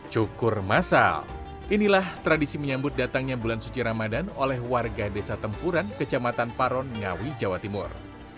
cukur masal inilah tradisi menyambut datangnya bulan suci ramadan oleh warga desa tempuran kecamatan paron ngawi jawa timur